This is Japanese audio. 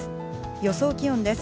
予想気温です。